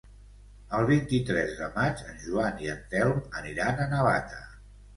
El vint-i-tres de maig en Joan i en Telm aniran a Navata.